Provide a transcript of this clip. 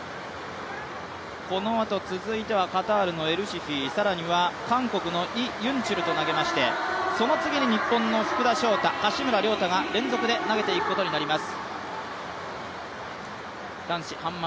このあと続いてはカタールのエルシフィ、更には韓国のイ・ユンチョルと投げまして、その次に日本の福田翔大、柏村亮太が連続で投げていくことになります。